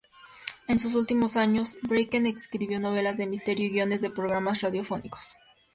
En sus últimos años Bracken escribió novelas de misterio y guiones de programas radiofónicos.